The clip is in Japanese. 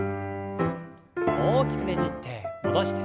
大きくねじって戻して。